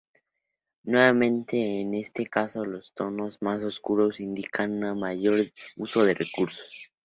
Nuevamente en este caso, los tonos más oscuros indican un mayor uso de recursos.